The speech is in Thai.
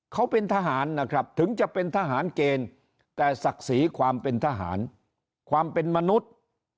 เขาเป็นทหารนะครับถึงจะเป็นทหารเกณฑ์แต่ศักดิ์ศรีความเป็นทหารความเป็นมนุษย์